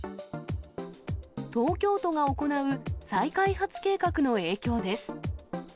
東京都が行う再開発計画の影響です。